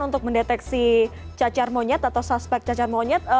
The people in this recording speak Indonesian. untuk mendeteksi cacar monyet atau suspek cacar monyet